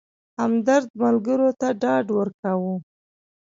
همدرد ملګرو ته ډاډ ورکاوه.